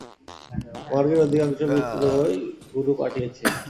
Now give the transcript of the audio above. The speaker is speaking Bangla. মর্গের অধিকাংশ মৃতদেহই গুরু পাঠিয়েছে।